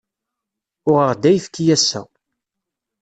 Uɣeɣ-d ayefki ass-a.